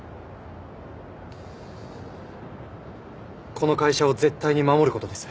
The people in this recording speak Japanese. この会社を絶対に守ることです。